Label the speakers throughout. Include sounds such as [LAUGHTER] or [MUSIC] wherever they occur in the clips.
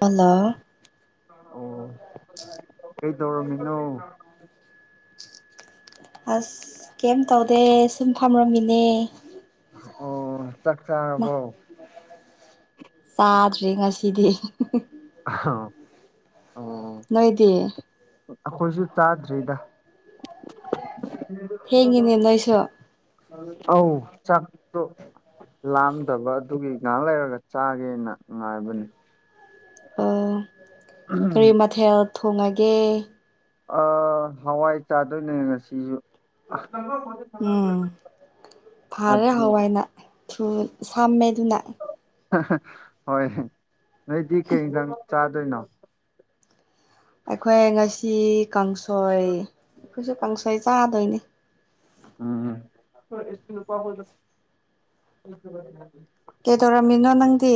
Speaker 1: hello
Speaker 2: ꯑꯣ ꯀꯩꯇꯧꯔꯝꯃꯤꯅꯣ
Speaker 1: ꯑꯁ ꯀꯩꯝ ꯇꯧꯗꯦ ꯁꯨꯝ ꯐꯝꯃꯝꯃꯤꯅꯦ
Speaker 2: ꯑꯣ ꯆꯥꯛ ꯆꯥꯔꯕꯣ
Speaker 1: ꯆꯥꯗ꯭ꯔꯤ ꯉꯁꯤꯗꯤ
Speaker 2: [UNINTELLIGIBLE]
Speaker 1: ꯅꯣꯏꯗꯤ
Speaker 2: ꯑꯈꯣꯏꯖꯨ ꯆꯥꯗ꯭ꯔꯤꯗ
Speaker 1: ꯊꯦꯡꯉꯤꯅꯦ ꯅꯣꯢꯁꯨ
Speaker 2: ꯑꯧ ꯆꯥꯛꯇꯣ ꯂꯥꯝꯗꯕ ꯑꯗꯨꯒꯤ ꯉꯥꯍꯥꯛ ꯂꯩꯔꯒ ꯆꯥꯒꯦꯅ ꯉꯥꯏꯕꯅꯤ
Speaker 1: ꯑꯣ ꯀꯔꯤ ꯃꯊꯦꯜ ꯊꯣꯡꯉꯒꯦ
Speaker 2: ꯑꯥ ꯍꯋꯥꯏ ꯆꯥꯗꯣꯏꯅꯦ ꯉꯁꯤꯖꯨ
Speaker 1: ꯎꯝ ꯐꯔꯦ
Speaker 2: ꯑꯗꯨ
Speaker 1: ꯍꯋꯥꯏꯅ ꯊꯨꯝ ꯁꯝꯃꯦꯗꯨꯅ
Speaker 2: ꯍꯥꯍꯥ ꯍꯣꯏ ꯅꯣꯏꯗꯤ ꯀꯩ ꯏꯟꯖꯥꯡ ꯆꯥꯗꯣꯏꯅꯣ
Speaker 1: ꯑꯩꯈꯣꯏ ꯉꯁꯤ ꯀꯥꯡꯁꯣꯏ ꯑꯩꯈꯣꯏꯁꯨ ꯀꯥꯡꯁꯣꯏ ꯆꯥꯗꯣꯏꯅꯤ
Speaker 2: ꯎꯝ
Speaker 1: ꯀꯦꯗꯧꯔꯝꯃꯤꯅꯣ ꯅꯪꯗꯤ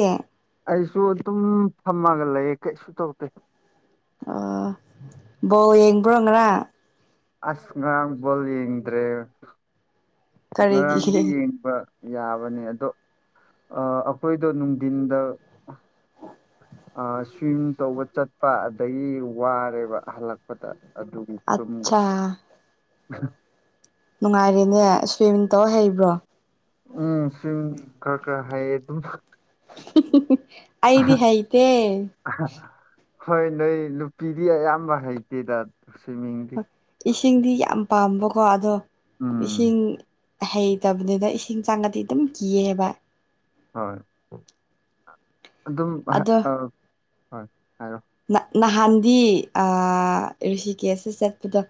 Speaker 2: ꯑꯩꯁꯨ ꯑꯗꯨꯝ ꯐꯝꯃꯒ ꯂꯩꯌꯦ ꯀꯩꯁꯨ ꯇꯧꯗꯦ
Speaker 1: ꯑꯣ ꯕꯣꯜ ꯌꯦꯡꯕ꯭ꯔꯣ ꯉꯔꯥ
Speaker 2: ꯑꯁ ꯉꯔꯥꯡ ꯕꯣꯜ ꯌꯦꯡꯗ꯭ꯔꯦ
Speaker 1: ꯀꯔꯤꯒꯤ
Speaker 2: ꯉꯔꯥꯡꯗꯤ ꯌꯦꯡꯕ ꯌꯥꯕꯅꯦ ꯑꯗꯣ ꯑꯥ ꯑꯈꯣꯏꯗꯣ ꯅꯨꯡꯗꯤꯟꯗ ꯑꯥ ꯁ꯭ꯋꯤꯝ ꯇꯧꯕ ꯆꯠꯄ ꯑꯗꯒꯤ ꯋꯥꯔꯦꯕ ꯍꯜꯂꯛꯄꯗ ꯑꯗꯨꯒꯤ ꯇꯨꯝꯈ꯭ꯔꯦ
Speaker 1: ꯑꯠꯆꯥ
Speaker 2: [INAUDIBLE]
Speaker 1: ꯅꯨꯡꯉꯥꯏꯔꯤꯅꯦ ꯁ꯭ꯋꯤꯝꯃꯤꯡ ꯇꯧ ꯍꯩꯕ꯭ꯔꯣ
Speaker 2: ꯎꯝ ꯁ꯭ꯋꯤꯝ ꯀꯔ ꯀꯔ ꯍꯩ ꯑꯗꯨꯝ
Speaker 1: ꯍꯤꯍꯤꯍꯤ ꯑꯩꯗꯤ ꯍꯩꯇꯦ
Speaker 2: ꯍꯣꯏ ꯅꯣꯏ ꯅꯨꯄꯤꯗꯤ ꯑꯌꯥꯝꯕ ꯍꯩꯇꯦꯗ ꯁ꯭ꯋꯤꯝꯃꯤꯡꯗꯤ
Speaker 1: ꯍꯥ ꯏꯁꯤꯡꯗꯤ ꯌꯥꯝ ꯄꯥꯝꯕꯀꯣ ꯑꯗꯣ
Speaker 2: ꯎꯝ
Speaker 1: ꯏꯁꯤꯡ ꯍꯩꯇꯕꯅꯤꯗ ꯏꯁꯤꯡ ꯆꯪꯉꯗꯤ ꯑꯗꯨꯝ ꯀꯤꯌꯦꯕ
Speaker 2: ꯍꯣꯏ ꯑꯗꯨꯝ ꯍꯥ
Speaker 1: ꯑꯗꯣ
Speaker 2: ꯑꯥ ꯍꯣꯏ ꯍꯥꯏꯔꯣ
Speaker 1: ꯅꯍꯥꯟꯗꯤ ꯑꯥ ꯔꯤꯁꯤ ꯀꯦꯁꯇ ꯆꯠꯄꯗꯣ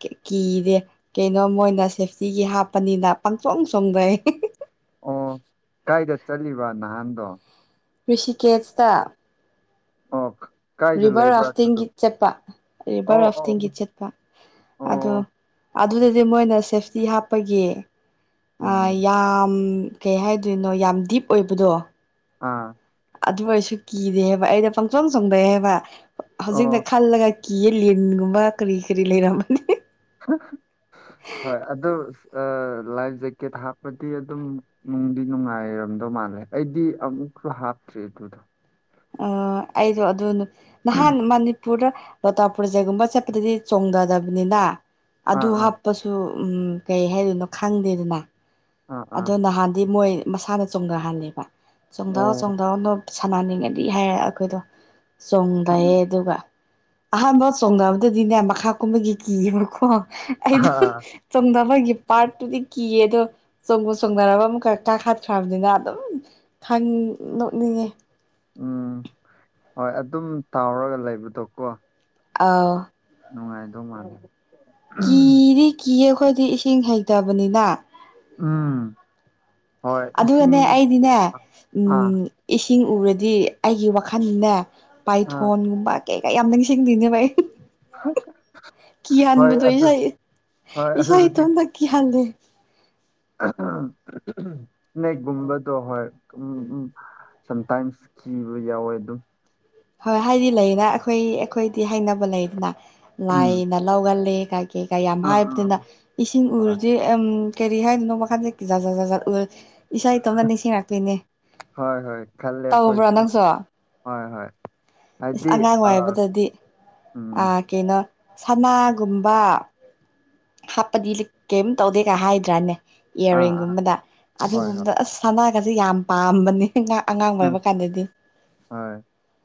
Speaker 1: ꯀꯤ ꯀꯤꯔꯦ ꯀꯩꯅꯣ ꯃꯣꯏꯅ ꯁꯦꯐꯇꯤꯒꯤ ꯍꯥꯞꯄꯅꯤꯅ ꯄꯪꯆꯣꯡ ꯆꯣꯡꯗꯣ [UNINTELLIGIBLE]
Speaker 2: ꯑꯣ ꯀꯥꯏꯗ ꯆꯠꯂꯤꯕ ꯅꯍꯥꯟꯗꯣ
Speaker 1: ꯔꯤꯁꯤꯀꯦꯁꯇ
Speaker 2: ꯑꯣ ꯈꯛ
Speaker 1: ꯔꯤꯚꯔ ꯔꯥꯐꯇꯤꯡꯒꯤ ꯆꯠꯄ
Speaker 2: ꯑꯣ
Speaker 1: ꯔꯤꯚꯔ
Speaker 2: ꯑꯣ
Speaker 1: ꯔꯥꯐꯇꯤꯡꯒꯤ ꯆꯦꯠꯄ ꯑꯗꯣ
Speaker 2: ꯑꯣ
Speaker 1: ꯑꯗꯨꯗꯗꯤ ꯃꯣꯏꯅ ꯁꯦꯐꯇꯤ ꯍꯥꯞꯄꯒꯤ ꯑꯥ
Speaker 2: ꯎꯝ
Speaker 1: ꯌꯥꯝ ꯀꯩ ꯍꯥꯏꯗꯣꯏꯅꯣ ꯌꯥꯝ ꯗꯤꯞ ꯑꯣꯏꯕꯗꯣ
Speaker 2: ꯑꯥ
Speaker 1: ꯑꯗꯨ ꯑꯣꯏꯁꯨ ꯀꯤꯗꯦꯕ ꯑꯩꯩꯅ ꯄꯪꯆꯣꯡ ꯆꯣꯡꯗꯩ ꯍꯥꯏꯕ
Speaker 2: ꯑꯣ
Speaker 1: ꯍꯧꯖꯤꯛꯗ ꯈꯜꯂꯒ ꯀꯤꯌꯦ ꯂꯤꯟꯒꯨꯝꯕ ꯀꯔꯤ ꯀꯔꯤ ꯂꯩꯔꯝ [UNINTELLIGIBLE]
Speaker 2: ꯍꯥ ꯍꯥ ꯍꯣꯏ ꯑꯗꯨ ꯑꯥ ꯂꯥꯏꯐ ꯖꯦꯛꯀꯦꯠ ꯍꯥꯞꯄꯗꯤ ꯑꯗꯨꯝ ꯅꯨꯡꯗꯤ ꯅꯨꯡꯉꯥꯏꯔ ꯔꯝꯗꯧ ꯃꯥꯜꯂꯦ ꯑꯩꯗꯤ ꯑꯃꯨꯛꯁꯨ ꯍꯥꯞꯇ꯭ꯔꯤ ꯑꯗꯨꯗꯣ
Speaker 1: ꯑꯥ ꯑꯩꯖꯣ ꯑꯗꯨꯅ ꯅꯍꯥꯟ ꯃꯅꯤꯄꯨꯔꯗ ꯂꯣꯛꯇꯥꯛ ꯄ꯭ꯔꯣꯖꯦꯛꯒꯨꯝꯕ ꯆꯠꯄꯗꯗꯤ ꯆꯣꯡꯗꯗꯕꯅꯤꯅ
Speaker 2: ꯑꯥ
Speaker 1: ꯑꯗꯨ
Speaker 2: ꯑꯥ
Speaker 1: ꯍꯥꯞꯄꯁꯨ ꯎꯝ ꯀꯩ ꯍꯥꯏꯗꯣꯏꯅꯣ ꯈꯪꯗꯦꯗꯅ
Speaker 2: ꯑꯥ ꯑꯥ
Speaker 1: ꯑꯗꯣ ꯅꯍꯥꯟꯗꯤ ꯃꯣꯏ ꯃꯁꯥꯅ ꯆꯣꯡꯊꯍꯜꯂꯦꯕ ꯆꯣꯡꯗꯥꯎ
Speaker 2: ꯑꯣ
Speaker 1: ꯆꯣꯡꯗꯥꯎ ꯁꯥꯟꯅꯅꯤꯡꯉꯗꯤ ꯍꯥꯏꯔꯦ ꯑꯈꯣꯏꯗꯣ
Speaker 2: ꯎꯝ
Speaker 1: ꯆꯣꯡꯗꯩꯌꯦ ꯑꯗꯨꯒ ꯑꯍꯥꯟꯕ ꯆꯣꯡꯗꯕꯗꯗꯤꯅꯦ ꯃꯈꯥ ꯀꯨꯝꯕꯒꯤ ꯀꯤꯌꯦꯕꯀꯣ ꯑꯩꯗꯣ
Speaker 2: ꯑꯥ
Speaker 1: ꯆꯣꯡꯙꯥꯕꯒꯤ ꯄꯥꯔꯠꯇꯨꯗꯤ ꯀꯤꯌꯦ ꯑꯗꯣ ꯆꯣꯡꯕꯨ ꯆꯣꯡꯙꯔꯕ ꯑꯃꯨꯛꯀꯥ ꯀꯥꯈꯠꯈ꯭ꯔꯕꯅꯤꯅ ꯑꯗꯨꯝ ꯈꯪ ꯅꯣꯛꯅꯤꯡꯉꯦ
Speaker 2: ꯎꯝ ꯍꯣꯏ ꯑꯗꯨꯝ ꯇꯥꯎꯔꯒ ꯂꯩꯕꯗꯣ ꯀꯣ
Speaker 1: ꯑꯥꯎ
Speaker 2: ꯅꯨꯡꯉꯥꯏꯗꯧ ꯃꯥꯜꯂꯦ
Speaker 1: ꯀꯤꯗꯤ ꯀꯤꯌꯦ ꯑꯈꯣꯏꯗꯤ ꯏꯁꯤꯡ ꯍꯩꯇꯕꯅꯤꯅ
Speaker 2: ꯎꯝ ꯍꯣꯏ ꯏꯁꯤꯡ
Speaker 1: ꯑꯗꯨꯒꯅꯦ ꯑꯩꯗꯤꯅꯦ
Speaker 2: ꯑꯥ
Speaker 1: ꯏꯁꯤꯡ ꯎꯔꯗꯤ ꯑꯩꯒꯤ ꯋꯥꯈꯜꯅꯦ
Speaker 2: ꯑꯥ
Speaker 1: ꯄꯥꯏꯊꯣꯟꯒꯨꯝꯕ ꯀꯩ ꯀꯩ ꯌꯥꯝ ꯅꯤꯡꯁꯤꯡꯗꯨꯏꯅꯦꯕ ꯑꯩ
Speaker 2: ꯍꯣꯏ
Speaker 1: ꯀꯏꯍꯟꯕꯗꯣ
Speaker 2: ꯑꯗꯨ
Speaker 1: ꯏꯁꯥ
Speaker 2: ꯍꯣꯏ
Speaker 1: ꯏꯁꯥ ꯏꯇꯣꯟꯇ ꯀꯤꯍꯟꯂꯦ
Speaker 2: ꯏꯁꯅꯦꯀꯒꯨꯝꯕꯗꯣ ꯍꯣꯏ ꯎꯝ ꯎꯝ ꯁꯝꯇꯥꯏꯝꯁ ꯀꯤꯕ ꯌꯥꯎꯋꯦ ꯑꯗꯨꯝ
Speaker 1: ꯍꯣꯏ ꯍꯥꯏꯗꯤ ꯂꯩꯅ ꯑꯩꯈꯣꯏ ꯑꯩꯈꯣꯏꯗꯤ ꯍꯥꯏꯅꯕ ꯂꯩꯗꯅ
Speaker 2: ꯎꯝ
Speaker 1: ꯂꯥꯏꯅ ꯂꯧꯒꯜꯂꯤ ꯀꯩ ꯀꯥ ꯌꯥꯝ
Speaker 2: ꯑꯥ ꯑꯥ
Speaker 1: ꯍꯥꯏꯕꯅꯤꯅ ꯏꯁꯤꯡ
Speaker 2: ꯍꯣꯏ
Speaker 1: ꯎꯔꯗꯤ ꯀꯔꯤ ꯍꯥꯏꯗꯣꯏꯅꯣ ꯃꯈꯥꯗꯤ ꯖꯥꯖꯥꯖꯥꯠ ꯎꯔ꯭ꯗꯤ ꯏꯁꯥ ꯏꯇꯣꯝꯠ ꯅꯤꯡꯁꯤꯡꯔꯛꯇꯣꯏꯅꯦ
Speaker 2: ꯍꯣꯏ ꯍꯣꯏ ꯈꯜꯂꯦ
Speaker 1: ꯇꯧꯕꯔꯥ
Speaker 2: ꯑꯩꯈꯣꯏꯁꯨ
Speaker 1: ꯅꯪꯁꯨ
Speaker 2: ꯍꯣꯏ ꯍꯣꯏ ꯍꯥꯏꯗꯤ
Speaker 1: ꯏꯁꯁ ꯑꯉꯥꯡ
Speaker 2: ꯑꯥ
Speaker 1: ꯑꯣꯏꯕꯗꯗꯤ
Speaker 2: ꯎꯝ
Speaker 1: ꯑꯥ ꯀꯩꯅꯣ ꯁꯅꯥꯒꯨꯝꯕ ꯍꯥꯞꯄꯗꯤ ꯀꯩꯝ ꯇꯧꯗꯦꯒ ꯍꯥꯏꯗ꯭ꯔꯥꯅꯦ
Speaker 2: ꯑꯥ ꯑꯥ
Speaker 1: ꯏꯌꯥꯔꯔꯤꯡꯒꯨꯝꯕꯗ
Speaker 2: ꯍꯣꯏ ꯍꯣꯏ
Speaker 1: ꯑꯗꯨꯒꯨꯝꯕꯗ ꯑꯁ ꯁꯅꯥꯒꯁꯦ ꯌꯥꯝ ꯄꯥꯝꯕꯅꯤ ꯑꯉꯥꯡ
Speaker 2: ꯎꯝ
Speaker 1: ꯑꯣꯏꯕ ꯀꯥꯟꯗꯗꯤ
Speaker 2: ꯍꯣꯏ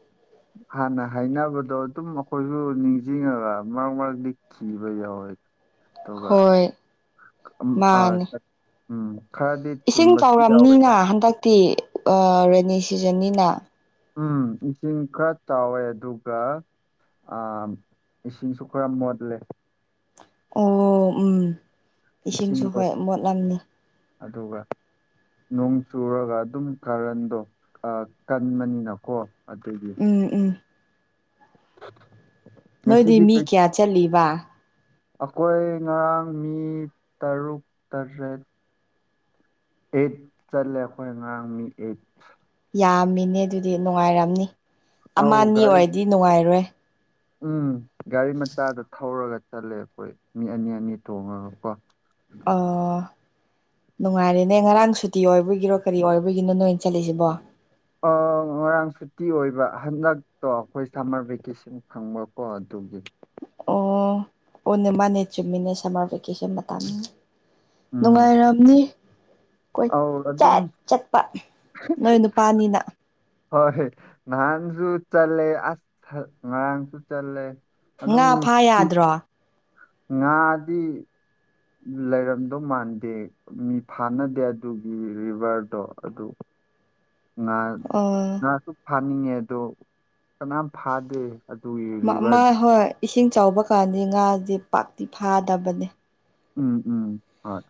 Speaker 2: [INAUDIBLE] ꯍꯥꯟꯅ ꯍꯥꯏꯅꯕꯗꯣ ꯑꯗꯨꯝ ꯑꯩꯈꯣꯏꯁꯨ ꯅꯤꯡꯁꯤꯡꯉꯒ ꯃꯔꯛ ꯃꯔꯛꯇꯗꯤ ꯀꯤꯕ ꯌꯥꯎꯋꯦ ꯑꯗꯨꯒ
Speaker 1: ꯍꯣꯏ
Speaker 2: ꯎꯃ ꯑꯥ
Speaker 1: ꯃꯥꯅꯦ
Speaker 2: ꯎꯃꯝ
Speaker 1: ꯏꯁꯤꯡ ꯆꯥꯎꯔꯝꯅꯤꯅ ꯍꯟꯗꯛꯇꯤ ꯑꯥ ꯔꯦꯅꯤ ꯁꯤꯖꯟꯅꯤꯅ
Speaker 2: ꯎꯝ ꯏꯁꯤꯡ ꯈꯔ ꯆꯥꯎꯋꯦ ꯑꯗꯨꯒ ꯑꯥ ꯏꯁꯤꯡꯁꯨ ꯈꯔ ꯃꯣꯠꯂꯦ
Speaker 1: ꯑꯣ ꯎꯝ ꯏꯁꯤꯡꯁꯨ
Speaker 2: ꯏꯁꯤꯡꯗꯣ
Speaker 1: ꯍꯣꯏ ꯃꯣꯠꯂꯝꯅꯤ
Speaker 2: ꯑꯗꯨꯒ ꯅꯣꯡ ꯆꯨꯔꯒ ꯑꯗꯨꯝ ꯀꯥꯔꯟꯗꯣ ꯀꯟꯕꯅꯤꯅꯀꯣ ꯑꯗꯨꯒꯤ
Speaker 1: ꯎꯝ ꯎꯝ
Speaker 2: [INAUDIBLE]
Speaker 1: ꯅꯣꯏꯗꯤ ꯃꯤ ꯀꯌꯥ ꯆꯠꯂꯤꯕ
Speaker 2: ꯑꯈꯣꯏ ꯉꯔꯥꯡ ꯃꯤ ꯇꯔꯨꯛ ꯇꯔꯦꯠ ꯑꯩꯠ ꯆꯠꯂꯦ ꯑꯈꯣꯏ ꯉꯔꯥꯡ ꯃꯤ ꯑꯩꯠ
Speaker 1: ꯌꯥꯝꯃꯤꯅꯦ ꯑꯗꯨꯗꯤ ꯅꯨꯡꯉꯥꯏꯔꯝꯅꯤ ꯑꯃ
Speaker 2: ꯑꯧ
Speaker 1: ꯑꯅꯤ
Speaker 2: ꯒꯥꯔꯤ
Speaker 1: ꯑꯣꯏꯔꯗꯤ ꯅꯨꯡꯉꯥꯏꯔꯣꯏ
Speaker 2: ꯎꯝ ꯒꯥꯔꯤ ꯃꯆꯥꯗ ꯊꯧꯔꯒ ꯆꯠꯂꯦ ꯑꯩꯈꯣꯏ ꯃꯤ ꯑꯅꯤ ꯑꯅꯤ ꯇꯣꯡꯔꯒꯀꯣ
Speaker 1: ꯑꯣ ꯅꯨꯡꯉꯥꯏꯔꯦꯅꯦ ꯉꯔꯥꯡ ꯁꯨꯇꯤ ꯑꯣꯏꯕꯒꯤꯔꯣ ꯀꯔꯤ ꯑꯣꯏꯕꯒꯤꯅꯣ ꯅꯣꯏꯅ ꯆꯠꯂꯤꯁꯤꯕꯣ
Speaker 2: ꯑꯥ ꯉꯔꯥꯡ ꯁꯨꯇꯤ ꯑꯣꯏꯕ ꯍꯟꯗꯛꯇꯣ ꯑꯈꯣꯏ ꯁꯝꯃꯔ ꯚꯦꯀꯦꯁꯟ ꯐꯪꯕꯀꯣ ꯗꯨꯒꯤ
Speaker 1: ꯑꯣ ꯑꯣꯅꯦ ꯃꯥꯅꯦ ꯆꯨꯝꯃꯤꯅꯦ ꯁꯝꯃꯔ ꯚꯦꯀꯦꯁꯟ ꯃꯇꯝꯅꯤ
Speaker 2: ꯎꯝ
Speaker 1: ꯅꯨꯡꯉꯥꯏꯔꯝꯅꯤ
Speaker 2: ꯑꯧ ꯑꯗꯨꯝ
Speaker 1: ꯀꯣꯏꯆꯠ ꯆꯠꯄ ꯅꯣꯏ ꯅꯨꯄꯥꯅꯤꯅ
Speaker 2: ꯍꯣꯏ ꯅꯍꯥꯟꯁꯨ ꯆꯠꯂꯦ ꯑꯁ ꯅꯔꯥꯡꯁꯨ ꯆꯠꯂꯦ ꯑꯗꯨꯝ
Speaker 1: ꯉꯥ ꯐꯥ ꯌꯥꯗ꯭ꯔꯣ
Speaker 2: ꯉꯥꯗꯤ ꯉꯥꯗꯤ ꯂꯩꯔꯝꯗꯧ ꯃꯥꯟꯗꯦ ꯃꯤ ꯐꯥꯅꯗꯦ ꯑꯗꯨꯒꯤ ꯔꯤꯚꯔꯗꯣ ꯑꯗꯨ ꯉꯥ ꯉꯥꯁꯨ ꯐꯥꯅꯤꯡꯉꯦ ꯑꯗꯣ ꯀꯅꯥꯝ ꯐꯥꯗꯦ ꯑꯗꯨꯒꯤ
Speaker 1: ꯃꯥ
Speaker 2: ꯔꯤꯚꯔ
Speaker 1: ꯃꯥꯍꯣꯏ ꯏꯁꯤꯡ ꯆꯥꯎꯕ ꯀꯥꯟꯗꯤ ꯉꯥꯖꯦ ꯄꯥꯛꯇꯤ ꯐꯥꯗꯕꯅꯦ
Speaker 2: ꯎꯝ ꯎꯝ ꯍꯣꯢ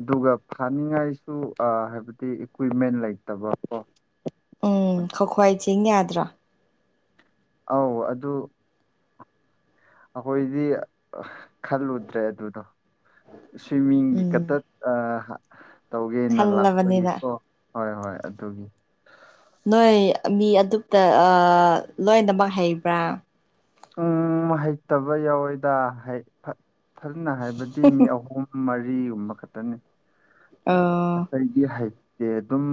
Speaker 2: ꯑꯗꯨꯒ ꯐꯥꯅꯤꯡꯉꯥꯏꯁꯨ ꯍꯥꯏꯕꯗꯤ ꯏꯀ꯭ꯋꯤꯞꯃꯦꯟ ꯂꯩꯇꯕ ꯀꯣ
Speaker 1: ꯎꯝ ꯈꯣ ꯈꯣꯏ ꯆꯤꯡ ꯌꯥꯗ꯭ꯔꯣ
Speaker 2: ꯑꯥꯎ ꯑꯗꯨ ꯑꯩꯈꯣꯏꯗꯤ ꯈꯜꯂꯨꯗ꯭ꯔꯦ ꯑꯗꯨꯗꯣ ꯁ꯭ꯋꯤꯃꯤꯡꯒꯤ
Speaker 1: ꯎꯝ
Speaker 2: ꯀꯛꯇꯠ ꯑꯥ ꯇꯧꯒꯦꯅ
Speaker 1: ꯈꯜꯂꯕꯅꯤꯅ
Speaker 2: ꯂꯥꯛꯄꯒꯤꯀꯣ ꯍꯣꯏ ꯍꯣꯏ ꯑꯗꯨꯒꯤ
Speaker 1: ꯅꯣꯏ ꯃꯤ ꯑꯗꯨꯇ ꯑꯥ ꯂꯣꯏꯅꯃꯛ ꯍꯩꯕ꯭ꯔꯥ
Speaker 2: ꯎꯝ ꯍꯩꯇꯕ ꯌꯥꯎꯋꯦꯗ ꯍꯩ ꯐꯖꯅ ꯍꯥꯏꯕꯗꯤ ꯃꯤ ꯑꯍꯨꯝ ꯃꯔꯤꯒꯨꯝꯕ ꯈꯛꯇꯅꯤ
Speaker 1: ꯑꯥ
Speaker 2: ꯑꯩꯗꯤ ꯍꯩꯇꯦ ꯑꯗꯨꯝ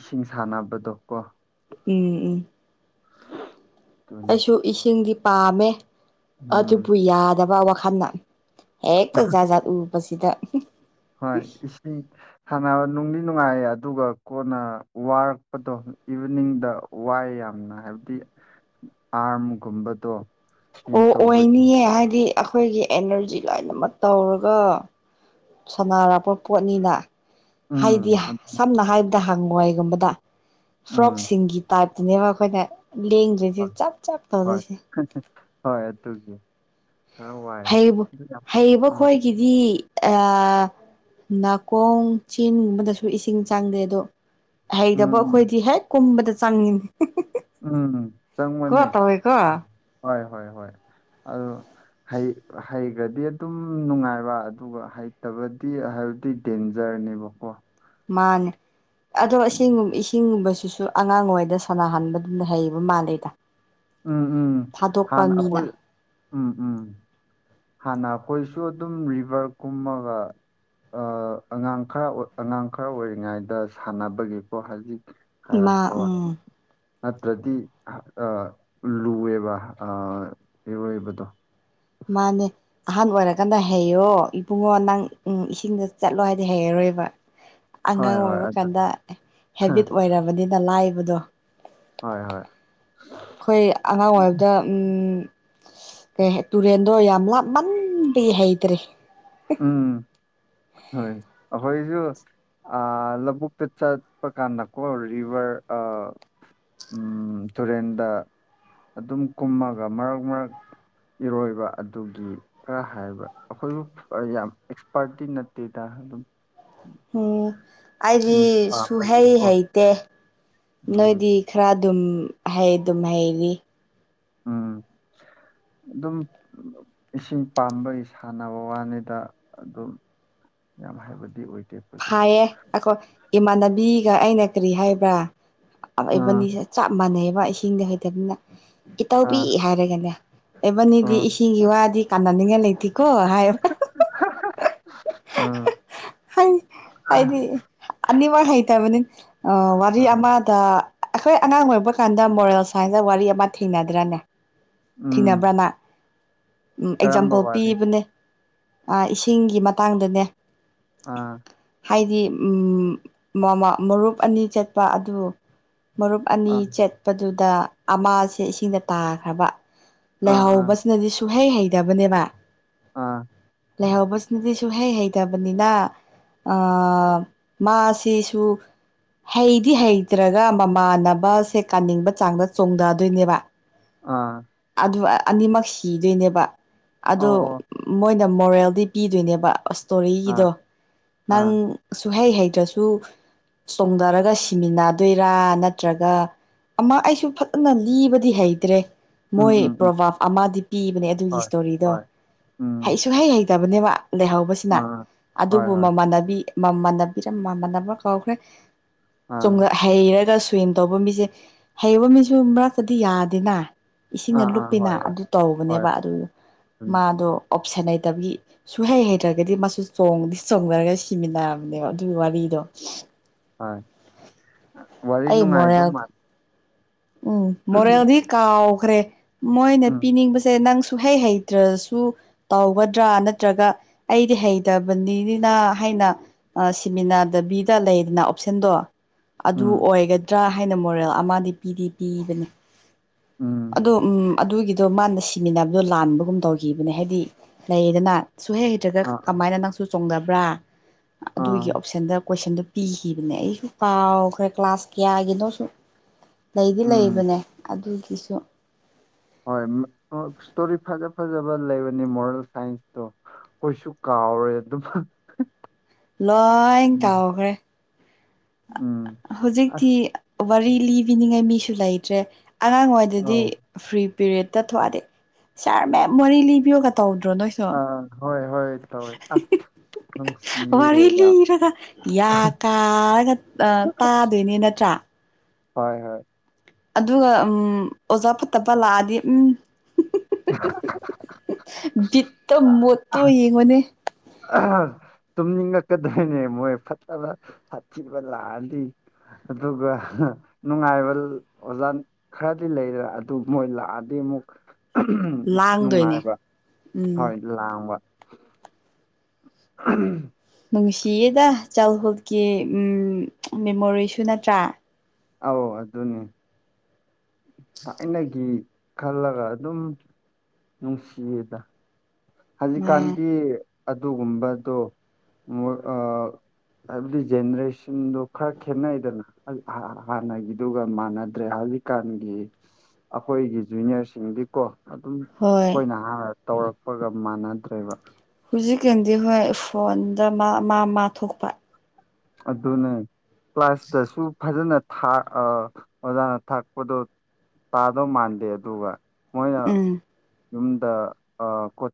Speaker 2: ꯏꯁꯤꯡ ꯁꯥꯟꯅꯕꯗꯣ ꯀꯣ
Speaker 1: ꯎꯝ ꯎꯝ
Speaker 2: [UNINTELLIGIBLE]
Speaker 1: ꯑꯩꯁꯨ ꯏꯁꯤꯡꯗꯤ ꯄꯥꯝꯃꯦ ꯑꯗꯨꯕꯨ
Speaker 2: ꯎꯝ
Speaker 1: ꯌꯥꯗꯕ ꯋꯥꯈꯟꯅ ꯍꯦꯛꯇ ꯖꯥꯠ ꯖꯥꯠ ꯎꯕꯁꯤꯗ
Speaker 2: ꯍꯣꯢ ꯏꯁꯤꯡ ꯁꯥꯅꯕ ꯅꯨꯡꯗꯤ ꯅꯨꯡꯉꯥꯏꯌꯦ ꯑꯗꯨꯒ ꯀꯣꯟꯅ ꯋꯥꯔꯛꯄꯗꯣ ꯏꯚꯤꯅꯤꯡꯗ ꯋꯥꯏ ꯌꯥꯝꯅ ꯍꯥꯏꯕ ꯍꯥꯏꯗꯤ ꯑꯥꯔꯝꯒꯨꯝꯕꯗꯣ ꯖꯤꯝ
Speaker 1: ꯑꯣ
Speaker 2: ꯇꯧꯕꯒꯤ
Speaker 1: ꯑꯣꯏꯅꯤꯌꯦ ꯍꯥꯏꯗꯤ ꯑꯩꯈꯣꯏꯒꯤ ꯑꯦꯅꯔꯖꯤ ꯂꯣꯏꯅꯃꯛ ꯇꯧꯔꯒ ꯁꯥꯟꯅꯔꯛꯄ ꯄꯣꯠꯅꯤꯅ ꯍꯥꯏꯗꯤ
Speaker 2: ꯎꯝ ꯑꯗꯨ
Speaker 1: ꯁꯝꯅ ꯍꯥꯏꯔꯕꯗ ꯍꯪꯋꯥꯏꯒꯨꯝꯕꯗ
Speaker 2: ꯎꯝ
Speaker 1: ꯐ꯭ꯔꯣꯛꯁꯤꯡꯒꯤ ꯇꯥꯏꯞ ꯑꯗꯨꯅꯦꯕ ꯑꯩꯈꯣꯏꯅ ꯂꯦꯡꯗꯔꯤꯖꯤ
Speaker 2: ꯍꯣꯏ
Speaker 1: ꯆꯞ ꯆꯞ
Speaker 2: ꯍꯣꯏ
Speaker 1: ꯇꯧꯗꯣꯏꯁꯦ
Speaker 2: ꯍꯣꯏ ꯑꯗꯨꯒꯤ ꯈꯔ ꯋꯥꯏ
Speaker 1: ꯍꯩꯕ
Speaker 2: ꯑꯗꯨ ꯌꯥꯝ
Speaker 1: ꯍꯩꯕ
Speaker 2: ꯎꯝ
Speaker 1: ꯈꯣꯏꯒꯤꯗꯤ ꯑꯥ ꯅꯥꯀꯣꯡ ꯆꯤꯟꯒꯨꯝꯕꯗꯁꯨ ꯏꯁꯤꯡ ꯆꯪꯗꯦꯗꯣ ꯍꯩꯇꯕ
Speaker 2: ꯎꯝ
Speaker 1: ꯑꯩꯈꯣꯏꯗꯤ ꯍꯦꯛ ꯀꯨꯝꯕꯗ ꯆꯪꯉꯤꯅꯤ
Speaker 2: ꯎꯝ
Speaker 1: ꯀꯣ
Speaker 2: ꯆꯪꯕꯅꯦ
Speaker 1: ꯇꯧꯋꯦꯀꯣ
Speaker 2: ꯍꯣꯏ ꯍꯣꯏ ꯍꯣꯏ ꯑꯗꯣ ꯍꯩ ꯍꯩꯒ꯭ꯔꯥꯗꯤ ꯑꯗꯨꯝ ꯅꯨꯡꯉꯥꯏꯕ ꯑꯗꯨꯒ ꯍꯩꯇꯕꯗꯤ ꯍꯥꯏꯕꯗꯤ ꯗꯦꯟꯖ꯭ꯔꯅꯤ ꯅꯦꯕꯀꯣ
Speaker 1: ꯃꯥꯅꯦ ꯑꯗꯣ ꯏꯁꯤꯡ ꯏꯁꯤꯡꯒꯨꯝꯕꯁꯤ ꯁꯤꯁꯨ ꯑꯉꯥꯡ ꯑꯣꯏꯉꯩꯗ ꯁꯥꯟꯅꯍꯟꯕꯗꯨꯅ ꯍꯩꯕ ꯃꯥꯜꯂꯦꯗ
Speaker 2: ꯎꯝ ꯎꯝ
Speaker 1: ꯊꯥꯗꯣꯛꯄ
Speaker 2: ꯍꯥꯟꯅ
Speaker 1: ꯃꯤꯅ
Speaker 2: ꯑꯩꯈꯣꯏ ꯎꯝ ꯎꯝ ꯍꯥꯟꯅ ꯑꯩꯈꯣꯏꯁꯨ ꯑꯗꯨꯝ ꯔꯤꯚ꯭ꯔ ꯀꯨꯝꯃꯒ ꯑ ꯑꯉꯥꯡ ꯈꯔ ꯑꯉꯥꯡ ꯈꯔ ꯑꯣꯏꯔꯤꯉꯩꯗ ꯁꯥꯟꯅꯕꯒꯤꯀꯣ ꯍꯖꯤꯛ
Speaker 1: ꯃꯥ ꯎꯝ
Speaker 2: ꯅꯠꯇ꯭ꯔꯗꯤ ꯑ ꯂꯨꯑꯦꯕ ꯑ ꯏꯔꯣꯏꯕꯗꯣ
Speaker 1: ꯃꯥꯅꯦ ꯑꯍꯥꯟ ꯑꯣꯏꯔꯀꯥꯟꯗ ꯍꯩꯔꯣ ꯏꯕꯨꯡꯉꯣ ꯅꯪ ꯎꯝ ꯏꯁꯤꯡꯗ ꯆꯠꯂꯣ ꯍꯥꯏꯗꯤ ꯍꯩꯔꯔꯣꯏꯕ
Speaker 2: ꯍꯣꯏ
Speaker 1: ꯑꯉꯥꯡ
Speaker 2: ꯍꯣꯏ
Speaker 1: ꯑꯣꯏꯕ
Speaker 2: ꯑꯗꯨ
Speaker 1: ꯀꯥꯟꯗ ꯍꯦꯕꯤꯠ ꯑꯣꯏꯔꯕꯅꯤꯅ ꯂꯥꯏꯕꯗꯣ
Speaker 2: ꯍꯣꯏ ꯍꯣꯏ
Speaker 1: ꯈꯣꯏ ꯑꯉꯥꯡ ꯑꯣꯏꯕꯗ ꯎꯝ ꯀꯥꯍꯦ ꯇꯨꯔꯦꯟꯗꯣ ꯌꯥꯝ ꯂꯥꯞꯃꯟꯕꯩ ꯍꯩꯇ꯭ꯔꯦ
Speaker 2: ꯎꯝ ꯍꯣꯏ ꯑꯈꯣꯏꯖꯨ ꯑꯥ ꯂꯕꯨꯛꯇ ꯆꯠꯄ ꯀꯥꯟꯗꯀꯣ ꯔꯤꯚ꯭ꯔ ꯑꯥ ꯎꯝ ꯇꯨꯔꯦꯟꯗ ꯑꯗꯨꯝ ꯀꯨꯝꯃꯒ ꯃꯔꯛ ꯃꯔꯛ ꯏꯔꯣꯏꯕ ꯑꯗꯨꯒꯤ ꯈ꯭ꯔ ꯍꯥꯢꯕ ꯑꯈꯣꯏꯖꯨ ꯑꯥ ꯌꯥꯝ ꯑꯦꯛꯁꯄꯥꯔꯠꯇꯤ ꯅꯠꯇꯦꯗ ꯑꯗꯨꯝ
Speaker 1: ꯎꯝ ꯑꯥꯢꯗꯤ
Speaker 2: ꯏꯁꯤꯡ
Speaker 1: ꯁꯨꯍꯩ
Speaker 2: ꯄꯥꯝꯕꯒꯤꯀꯣ
Speaker 1: ꯍꯩꯇꯦ
Speaker 2: ꯎꯝ
Speaker 1: ꯅꯣꯏꯗꯤ ꯈꯔ ꯑꯗꯨꯝ ꯍꯩ ꯗꯨꯝ ꯍꯩꯔꯤ
Speaker 2: ꯎꯝ ꯑꯗꯨꯝ ꯏꯁꯤꯡ ꯄꯥꯝꯕꯒꯤ ꯁꯥꯟꯅꯕ ꯋꯥꯅꯤꯗ ꯑꯗꯨꯝ ꯌꯥꯝ ꯍꯩꯕꯗꯤ ꯑꯣꯏ
Speaker 1: ꯐꯥꯌꯦ ꯑꯈꯣꯏ ꯏꯃꯥꯟꯅꯕꯤꯒ ꯑꯩꯅ ꯀꯔꯤ ꯍꯥꯏꯕ꯭ꯔꯥ ꯑꯥꯎ
Speaker 2: ꯑꯥ
Speaker 1: ꯏꯕꯥꯟꯅꯤꯁꯦ ꯆꯥꯞ ꯃꯥꯟꯅꯩꯕ ꯏꯁꯤꯡꯗꯤ ꯍꯩꯇꯕꯅꯤꯅ ꯏꯇꯥꯎꯕꯤ
Speaker 2: ꯑꯥ
Speaker 1: ꯍꯥꯏꯔꯒꯅꯦ ꯑꯦꯕꯥꯅꯤꯗꯤ
Speaker 2: ꯑꯥ
Speaker 1: ꯏꯁꯤꯡꯒꯤ ꯋꯥꯗꯤ ꯀꯥꯟꯅꯅꯤꯉꯥꯏ ꯂꯩꯇꯦ ꯀꯣ ꯍꯥꯏꯌꯣ
Speaker 2: ꯑꯥ
Speaker 1: [UNINTELLIGIBLE] ꯍꯥꯏ ꯍꯥꯏꯗꯤ ꯑꯅꯤꯃꯛ ꯍꯩꯇꯕꯅꯤ ꯑꯧ ꯋꯥꯔꯤ
Speaker 2: ꯑꯥ
Speaker 1: ꯑꯃꯗ ꯑꯈꯣꯏ ꯑꯉꯥꯡ ꯑꯣꯏꯕ ꯀꯥꯟꯗ ꯃꯣꯔꯦꯜ ꯁꯥꯏꯟꯁꯗ ꯋꯥꯔꯤ ꯑꯃ ꯊꯦꯡꯅꯗ꯭ꯔꯅꯦ ꯊꯦꯡꯅꯕ꯭ꯔꯥ
Speaker 2: ꯎꯝ
Speaker 1: ꯅꯥ ꯎꯝ
Speaker 2: ꯀꯔꯝꯕ
Speaker 1: ꯑꯦꯛꯖꯥꯝꯄꯜ
Speaker 2: ꯋꯥꯔꯤ
Speaker 1: ꯄꯤꯕꯅꯦ ꯑꯥ ꯏꯁꯤꯡꯒꯤ ꯃꯇꯥꯡꯗꯅꯦ
Speaker 2: ꯑꯥ
Speaker 1: ꯍꯥꯏꯗꯤ ꯎꯝ ꯃꯥ ꯃꯥ ꯃꯔꯨꯞ ꯑꯅꯤ ꯆꯠꯄ ꯑꯗꯨ ꯃꯔꯨꯞ ꯑꯅꯤ
Speaker 2: ꯑꯥ
Speaker 1: ꯆꯠꯄꯗꯨꯗ ꯑꯃꯥꯁꯦ ꯏꯁꯤꯡꯗ ꯇꯥꯈ꯭ꯔꯕ
Speaker 2: ꯑꯥ ꯑꯥ
Speaker 1: ꯂꯩꯍꯧꯕꯁꯤꯅꯗꯤ ꯁꯨꯛꯍꯩ ꯍꯩꯇꯕꯅꯦꯕ
Speaker 2: ꯑꯥ
Speaker 1: ꯂꯩꯍꯧꯕꯁꯤꯅꯗꯤ ꯁꯨꯛꯍꯩ ꯍꯩꯇꯕꯅꯤꯅ ꯑꯥ ꯃꯥꯁꯤꯁꯨ ꯍꯩꯗꯤ ꯍꯩꯇ꯭ꯔꯒ ꯃꯃꯥꯟꯅꯕꯁꯦ ꯀꯟꯅꯤꯡꯕ ꯆꯥꯡꯗ ꯆꯣꯡꯗꯗꯣꯏꯅꯦꯕ
Speaker 2: ꯑꯥ
Speaker 1: ꯑꯗꯨ ꯑꯅꯤꯃꯛ ꯁꯤꯗꯨꯏꯅꯦꯕ ꯑꯗꯣ
Speaker 2: ꯑꯣ ꯑꯣ
Speaker 1: ꯃꯣꯏꯅ ꯃꯣꯔꯦꯜꯗꯤ ꯄꯤꯗꯨꯏꯅꯦꯕ ꯑꯣꯁ
Speaker 2: ꯑꯥ
Speaker 1: ꯁ꯭ꯇꯣꯔꯤꯒꯤꯗꯣ ꯅꯪ
Speaker 2: ꯑꯥ
Speaker 1: ꯁꯨꯛꯍꯩ ꯍꯩꯇ꯭ꯔꯁꯨ ꯆꯣꯡꯗꯔꯒ ꯁꯤꯃꯤꯟꯅꯗꯨꯢꯔ ꯅꯠꯇ꯭ꯔꯒ ꯑꯃ ꯑꯩꯁꯨ ꯐꯖꯅ ꯂꯤꯕꯗꯤ ꯍꯩꯇ꯭ꯔꯦ
Speaker 2: ꯎꯝ
Speaker 1: ꯃꯣꯏ
Speaker 2: ꯎꯝ ꯎꯝ
Speaker 1: ꯄ꯭ꯔꯣꯚꯥꯞ ꯑꯃꯗꯤ ꯄꯤꯕꯅꯦ ꯑꯗꯨꯒꯤ
Speaker 2: ꯍꯣꯏ
Speaker 1: ꯁ꯭ꯇꯣꯔꯤꯗꯣ
Speaker 2: ꯍꯣꯏ ꯎꯝ
Speaker 1: ꯍꯩ ꯁꯨꯨꯡ ꯍꯩ ꯍꯩꯇꯕꯅꯦꯕ ꯂꯩꯍꯧꯕꯁꯤꯅ
Speaker 2: ꯑꯥ ꯍꯣꯏ
Speaker 1: ꯑꯗꯨꯕꯨ
Speaker 2: ꯍꯣꯏ
Speaker 1: ꯃꯃꯥꯟꯅꯕꯤ ꯃꯃꯥꯟꯅꯕꯤꯔ ꯃꯃꯥꯟꯅꯕ꯭ꯔꯥ ꯀꯥꯎꯈ꯭ꯔꯦ
Speaker 2: ꯑꯥ
Speaker 1: ꯆꯣꯡꯉ ꯍꯩꯔꯒ ꯁ꯭ꯋꯤꯝ ꯇꯧꯕ ꯃꯤꯁꯦ ꯍꯩꯕ ꯃꯤꯁꯨ ꯃꯔꯛꯇꯗꯤ ꯌꯥꯗꯦꯅ ꯏꯁꯤꯡꯅ
Speaker 2: ꯑꯥ ꯑꯥ
Speaker 1: ꯂꯨꯞꯄꯤꯅ
Speaker 2: ꯍꯣꯏ ꯍꯣꯏ
Speaker 1: ꯑꯗꯨ
Speaker 2: ꯍꯣꯏ
Speaker 1: ꯇꯧꯕꯅꯦꯕ ꯑꯗꯨ
Speaker 2: ꯎꯝ
Speaker 1: ꯃꯗꯣ ꯑꯣꯞꯁꯟ ꯂꯩꯇꯕꯒꯤ ꯁꯨꯍꯩ ꯍꯩꯇ꯭ꯔꯒꯗꯤ ꯃꯥꯁꯨ ꯆꯣꯡꯗꯤ ꯆꯣꯡꯊꯔꯒ ꯁꯤꯃꯤꯟꯅꯕꯅꯦꯕ ꯑꯗꯨꯒꯤ ꯋꯥꯔꯤ ꯗꯣ
Speaker 2: ꯍꯣꯏ ꯋꯥꯔꯤ
Speaker 1: ꯑꯩ
Speaker 2: ꯅꯨꯡꯉꯥꯏꯗꯧ
Speaker 1: ꯃꯣꯔꯦꯜ
Speaker 2: ꯃꯥꯜ
Speaker 1: ꯎꯝ ꯃꯣꯔꯦꯜꯗꯤ ꯀꯥꯎꯈ꯭ꯔꯦ ꯃꯣꯏꯅ
Speaker 2: ꯎꯝ
Speaker 1: ꯄꯤꯅꯤꯡꯕꯁꯦ ꯅꯪꯁꯨ ꯁꯨ ꯍꯩ ꯍꯩꯇ꯭ꯔꯁꯨ ꯇꯧꯒꯗ꯭ꯔꯥ ꯅꯠꯇ꯭ꯔꯒ ꯑꯩꯗꯤ ꯍꯩꯇꯕꯅꯤꯅꯤꯅ ꯍꯥꯏ ꯅ ꯑꯥ ꯁꯤꯃꯤꯅꯥꯗꯕꯤꯗ ꯂꯩꯗꯅ ꯑꯣꯞꯁꯦꯟꯗꯣ ꯑꯗꯨ
Speaker 2: ꯎꯝ
Speaker 1: ꯑꯣꯏꯒꯗ꯭ꯔꯥ ꯍꯥꯏꯅ ꯃꯣꯔꯦꯜ ꯑꯃꯗꯤ ꯄꯤꯗꯤ ꯄꯤꯕꯅꯦ
Speaker 2: ꯎꯝ
Speaker 1: ꯑꯗꯣ ꯎꯝ ꯑꯗꯨꯒꯤꯗꯣ ꯃꯥꯅ ꯁꯤ ꯁꯤꯃꯤꯟꯅꯕꯗꯣ ꯂꯥꯟꯕꯒꯨꯝ ꯇꯧꯈꯤꯕꯅꯦ ꯍꯥꯏꯗꯤ ꯂꯩꯌꯦꯗꯅ ꯁꯨꯍꯩ ꯍꯩꯇ꯭ꯔꯒ
Speaker 2: ꯑꯥ
Speaker 1: ꯀꯃꯥꯏꯅ ꯅꯪꯁꯨ ꯆꯣꯡꯗꯕ꯭ꯔꯥ
Speaker 2: ꯑꯥ
Speaker 1: ꯑꯗꯨꯒꯤ ꯑꯣꯞꯁꯟꯗ ꯀꯣꯏꯁꯟꯗꯨ ꯄꯤꯈꯤꯕꯅꯦ ꯑꯩ ꯀꯥꯎꯈ꯭ꯔꯦ ꯀ꯭ꯂꯥꯁ ꯀꯌꯥꯒꯤꯅꯣꯁꯨ ꯂꯩꯗꯤ
Speaker 2: ꯎꯝ
Speaker 1: ꯂꯩꯕꯅꯦ ꯑꯗꯨꯒꯤꯁꯨ
Speaker 2: ꯍꯣꯏ ꯏꯁꯇꯣꯔꯤ ꯐꯖ ꯐꯖꯕ ꯂꯩꯕꯅꯤ ꯃꯣꯔꯦꯜ ꯁꯥꯏꯟꯁꯇꯣ ꯑꯩꯈꯣꯏꯁꯨ ꯀꯥꯎ ꯀꯥꯎꯔꯦ ꯑꯗꯨꯝ
Speaker 1: ꯂꯣꯏ
Speaker 2: ꯎꯝ
Speaker 1: ꯀꯎꯒ꯭ꯔꯦ
Speaker 2: ꯎꯝ
Speaker 1: ꯍꯧꯖꯤꯛꯇꯤ
Speaker 2: ꯑꯁ
Speaker 1: ꯋꯥꯔꯤ ꯂꯤꯕꯤꯅꯤꯉꯥꯏ ꯃꯤꯁꯨ ꯂꯩꯇ꯭ꯔꯦ ꯑꯉꯥꯡꯋꯥꯗꯗꯤ
Speaker 2: ꯑꯥꯎ
Speaker 1: ꯐ꯭ꯔꯤ ꯄꯤꯔꯤꯠꯇ ꯊꯣꯛꯑꯗꯤ ꯁꯥꯔ ꯃꯦꯝ ꯆꯥꯔꯤ ꯂꯤꯕꯤꯌꯣꯒ ꯇꯧ
Speaker 2: ꯑꯥ ꯍꯣꯏ ꯍꯣꯏ ꯇꯧꯋꯦ ꯑꯁ ꯅꯨꯡꯁꯤꯌꯦ
Speaker 1: ꯋꯥꯔꯤ
Speaker 2: ꯌꯥꯝ
Speaker 1: ꯂꯤꯔꯒ ꯌꯥ ꯀꯥꯔꯒ ꯑ ꯇꯗꯣꯏꯅꯤ ꯅꯠꯇ꯭ꯔꯥ
Speaker 2: ꯍꯣꯏ ꯍꯣꯏ
Speaker 1: ꯑꯗꯨꯒ ꯎꯝ ꯑꯣꯖꯥ ꯐꯠꯇꯕ ꯂꯥꯛꯑꯗꯤ ꯎꯝ ꯕꯤꯠꯇꯣ ꯃꯨꯠꯇꯣ ꯌꯦꯡꯉꯣꯅꯦ
Speaker 2: ꯑꯍꯝ ꯇꯨꯝꯅꯤꯡ ꯉꯛꯀꯗꯣꯏꯅꯦ ꯃꯣꯏ ꯐꯠꯇꯕ ꯁꯥꯊꯤꯕ ꯂꯥꯛꯑꯗꯤ ꯑꯗꯨꯒ ꯅꯨꯡꯉꯥꯏꯕ ꯑꯣꯖꯥ ꯈꯔꯗꯤ ꯂꯩꯔ ꯑꯗꯨ ꯃꯣꯏ ꯂꯥꯛꯑꯗꯤ ꯑꯃꯨꯛ
Speaker 1: ꯂꯥꯡꯗꯣꯏꯅꯦ
Speaker 2: ꯅꯨꯡꯉꯥꯏꯕꯔ
Speaker 1: ꯎꯝ
Speaker 2: ꯍꯣꯏ ꯂꯥꯡꯕ ꯑꯍꯝ
Speaker 1: ꯅꯨꯡꯁꯤꯌꯦꯗ ꯆꯥꯏꯜꯍꯨꯠꯀꯤ ꯃꯦꯃꯣꯔꯤꯁꯨ ꯅꯠꯇ꯭ꯔꯥ
Speaker 2: ꯑꯧ ꯑꯗꯨꯅꯦ ꯊꯥꯏꯅꯒꯤ ꯈꯥꯜꯂꯒ ꯑꯗꯨꯝ ꯅꯨꯡꯁꯤꯌꯦꯗ
Speaker 1: ꯃꯥ
Speaker 2: ꯍꯧꯖꯤꯛꯀꯥꯟꯗꯤ ꯑꯗꯨꯒꯨꯝꯕꯗꯣ ꯃꯣꯏ ꯑ ꯍꯥꯏꯕꯗꯤ ꯖꯦꯅꯦꯔꯦꯁꯟꯗꯣ ꯈꯔ ꯈꯦꯠꯅꯩꯗꯅ ꯍꯥꯟꯅꯒꯤꯗꯨꯒ ꯃꯥꯟꯅꯗ꯭ꯔꯦ ꯍꯧꯖꯤꯛꯀꯥꯟꯒꯤ ꯑꯩꯈꯣꯏꯒꯤ ꯖꯨꯅꯤꯌꯔꯁꯤꯡꯗꯤꯀꯣ ꯑꯗꯨꯝ
Speaker 1: ꯍꯣꯏ
Speaker 2: ꯑꯩꯈꯣꯏꯅ ꯍꯥꯟꯅ ꯇꯧꯔꯛꯄꯒ ꯃꯥꯟꯅꯗ꯭ꯔꯦꯕ
Speaker 1: ꯍꯧꯖꯤꯛꯀꯥꯟꯗꯤ ꯍꯣꯏ ꯐꯣꯟꯗ ꯃꯥ ꯃꯥ ꯊꯣꯛꯄ
Speaker 2: ꯑꯗꯨꯅꯦ ꯀ꯭ꯂꯥꯁꯇꯁꯨ ꯐꯖꯅ ꯊꯥ ꯑ ꯑꯣꯖꯥꯅ ꯇꯥꯛꯄꯗꯣ ꯇꯥꯗꯧ ꯃꯥꯟꯗꯦ ꯑꯗꯨꯒ ꯃꯣꯏꯅ
Speaker 1: ꯎꯝ
Speaker 2: ꯌꯨꯝꯗ ꯑ ꯀꯣꯠ